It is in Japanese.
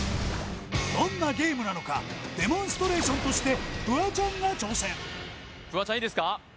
どんなゲームなのかデモンストレーションとしてフワちゃんいいですか？